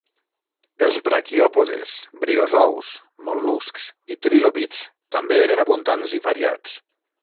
Els braquiòpodes, briozous, mol·luscs i trilobits també eren abundants i variats.